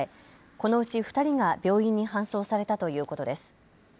このうち２人が病院に搬送されたということです。